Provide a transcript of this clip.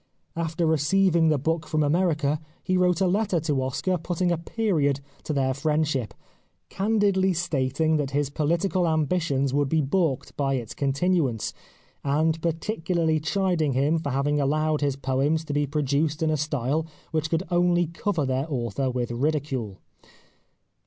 After receiving the book from America he wrote a letter to Oscar putting a period to their friendship, candidly stating that his political ambitions would be balked by its continuance, and parti cularly chiding him for having allowed his poems to be produced in a style which could only cover their author with ridicule.